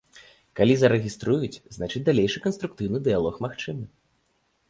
Калі зарэгіструюць, значыць далейшы канструктыўны дыялог магчымы.